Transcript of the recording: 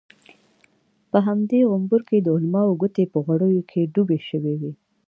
په همدې غومبر کې د علماوو ګوتې په غوړو کې ډوبې شوې.